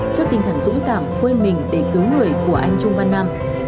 trước tinh thần dũng cảm quên mình để cứu người của anh trung văn nam